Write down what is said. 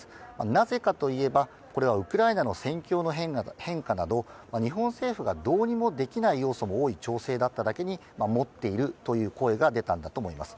なぜかといえばウクライナの戦況の変化など日本政府がどうにもできない要素も多い調整だっただけに持っているという声が出たんだと思います。